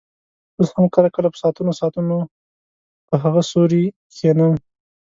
اوس هم کله کله په ساعتونو ساعتونو په هغه سوري کښېنم.